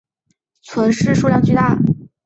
存世数量巨大。